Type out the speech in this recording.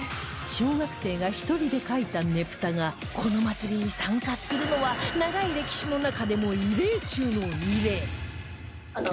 小学生が１人で描いたねぷたがこの祭りに参加するのは長い歴史の中でも異例中の異例